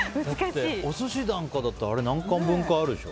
だって、お寿司なんかだと何貫分かあるでしょ。